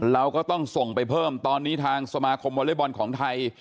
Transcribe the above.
เราก็ต้องส่งไปเพิ่มตอนนี้ทางสมาคมวอเล็กบอลของไทย